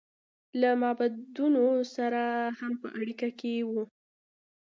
له معبودانو سره هم په اړیکه کې و.